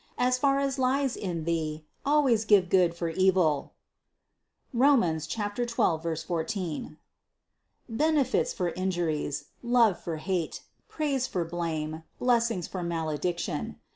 As far as lies in thee always give good for evil, (Rom. 12, 14) benefits for injuries, love for hate, praise for blame, blessings for malediction.